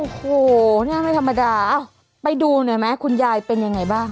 โอ้โหเนี่ยไม่ธรรมดาไปดูหน่อยไหมคุณยายเป็นยังไงบ้าง